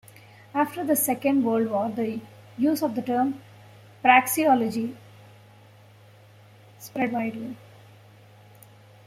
After the Second World War the use of the term "praxeology" spread widely.